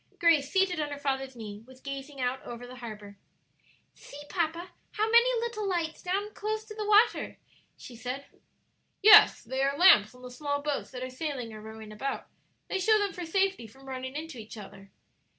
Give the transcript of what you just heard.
Grace, seated on her father's knee, was gazing out over the harbor. "See, papa, how many little lights close down to the water!" she said. "Yes; they are lamps on the small boats that are sailing or rowing about; they show them for safety from running into each other."